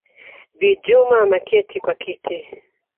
Bi Juma ameketi kwa kiti